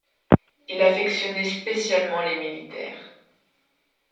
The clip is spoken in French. Il affectionnait spécialement les militaires.